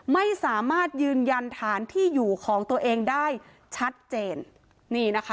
ไม่สามารถยืนยันฐานที่อยู่ของตัวเองได้ชัดเจนนี่นะคะ